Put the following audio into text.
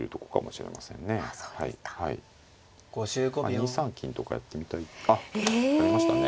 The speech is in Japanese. ２三金とかやってみたいあっやりましたね。